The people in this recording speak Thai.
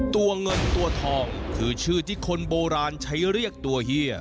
ตัวเงินตัวทองคือชื่อที่คนโบราณใช้เรียกตัวเฮีย